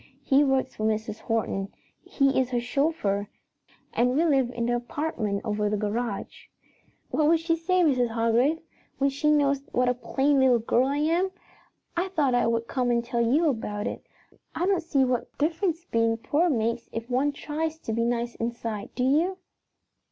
He works for Mrs. Horton; he is her chauffeur, and we live in the apartment over the garage. "What will she say, Mrs. Hargrave, when she knows what a plain little girl I am? I thought I would come and tell you about it. I don't see what difference being poor makes if one tries to be nice inside, do you?"